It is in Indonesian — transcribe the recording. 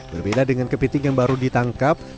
berbeda dengan kepiting yang baru ditangkap